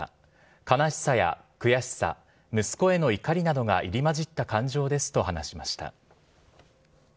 悲しさや悔しさ、息子への怒りなどが入り交じった感情ですと話しました。